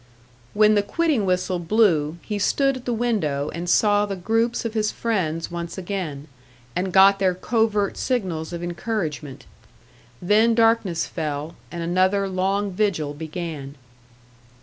When the quitting whistle blew, he stood at the window, and saw the groups of his friends once again, and got their covert signals of encouragement. Then darkness fell, and another long vigil began.